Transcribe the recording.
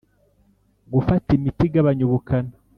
gufata imiti igabanya ubukana